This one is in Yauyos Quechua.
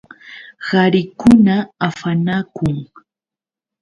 Qarikuna afanakun.